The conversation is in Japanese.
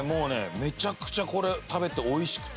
めちゃくちゃこれ食べて美味しくて。